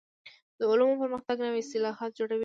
د علومو پرمختګ نوي اصطلاحات جوړوي.